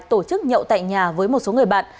tổ chức nhậu tại nhà với một số người bạn